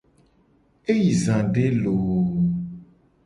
E yi zade loo.